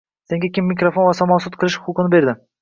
Senga kim mikrofon va samosud qilish huquqini berdi?